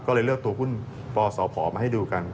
ก็เลยเลือกตัวหุ้นปสพมาให้ดูกัน